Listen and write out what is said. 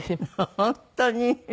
本当に。